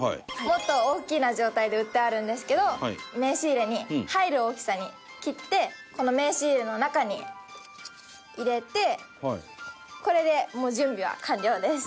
もっと大きな状態で売ってあるんですけど名刺入れに入る大きさに切ってこの名刺入れの中に入れてこれでもう準備は完了です。